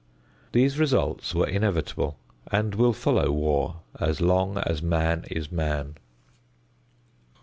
These results were inevitable and will follow war as long as man is man.